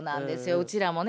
うちらもね